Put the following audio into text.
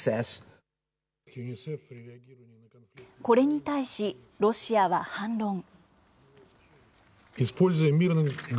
これに対し、ロシアは反論。